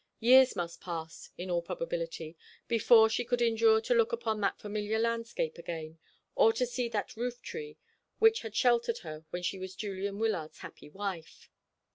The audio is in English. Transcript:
Years must pass, in all probability, before she could endure to look upon that familiar landscape again, or to see that roof tree which had sheltered her when she was Julian Wyllard's happy wife.